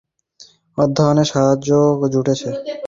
আমি এখানে কিছু সংস্কৃত বই পেয়েছি এবং অধ্যায়নের সাহায্যও জুটেছে।